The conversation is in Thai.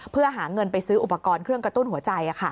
เพื่อหาเงินไปซื้ออุปกรณ์เครื่องกระตุ้นหัวใจ